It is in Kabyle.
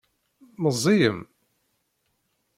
Meẓẓiyem?